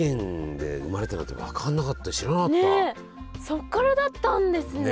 そっからだったんですね！